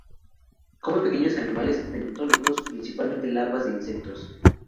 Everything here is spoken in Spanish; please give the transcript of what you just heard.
Come pequeños animales bentónicos, principalmente larvas de insectos.